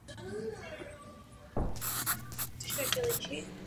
Zůstala trvalou součástí repertoáru komorních souborů.